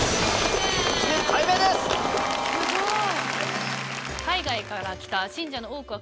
すごい！